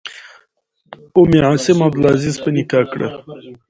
ام عاصم عبدالعزیز په نکاح کړه.